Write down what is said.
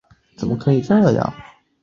天命汗钱的钱文为老满文。